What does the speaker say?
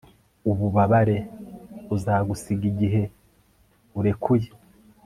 ububabare buzagusiga, igihe urekuye